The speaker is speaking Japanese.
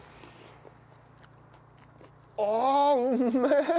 ああうめえ！